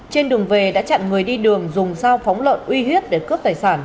trên đường về đã chặn người đi đường dùng sao phóng lợn uy huyết để cướp tài sản